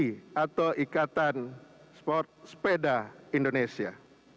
deputi atau ikatan sepeda indonesia